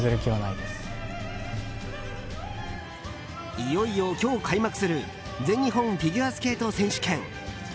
いよいよ今日開幕する全日本フィギュアスケート選手権。